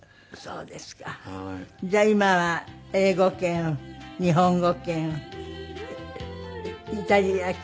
じゃあ今は英語圏日本語圏イタリア圏？